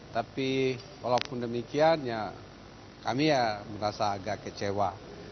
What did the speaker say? tapi walaupun demikian ya kami ya merasa agak kecewa